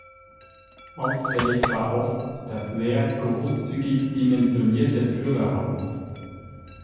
Auffällig war auch das sehr großzügig dimensionierte Führerhaus.